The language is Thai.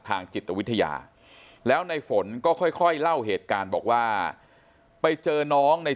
จิตวิทยาแล้วในฝนก็ค่อยเล่าเหตุการณ์บอกว่าไปเจอน้องใน